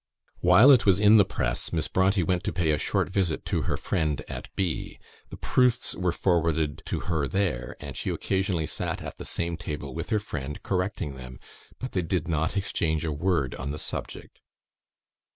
While it was in the press, Miss Brontë went to pay a short visit to her friend at B . The proofs were forwarded to her there, and she occasionally sat at the same table with her friend, correcting them; but they did not exchange a word on the subject.